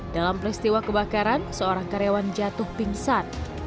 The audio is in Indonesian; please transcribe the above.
dalam peristiwa kebakaran seorang karyawan jatuh pingsan